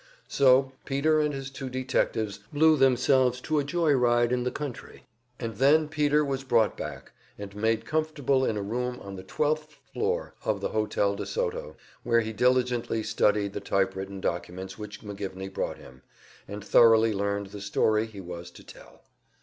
So Peter and his two detectives blew themselves to a joy ride in the country. And then Peter was brought back and made comfortable in a room on the twelfth floor of the Hotel de Soto, where he diligently studied the typewritten documents which McGivney brought him, and thoroughly learned the story he was to tell.